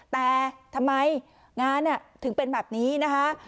แต่ทำไมงานถึงเป็นแบบนี้นะคะ